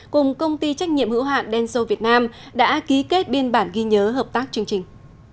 cùng công ty trách nhiệm hữu hạn denso việt nam đã ký kết biên bản ghi nhớ hợp tác chương trình